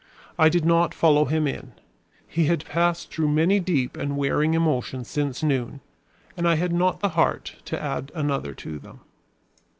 I did not follow him in. He had passed through many deep and wearing emotions since noon, and I had not the heart to add another to them.